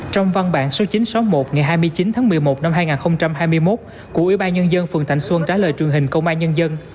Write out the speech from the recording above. trong văn bản số chín trăm sáu mươi một ngày hai mươi chín tháng một mươi một năm hai nghìn hai mươi một của ủy ban nhân dân phường thạnh xuân trả lời truyền hình công an nhân dân